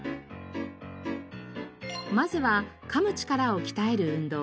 まずは噛む力を鍛える運動。